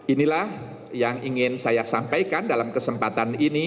inilah yang ingin saya sampaikan dalam kesempatan ini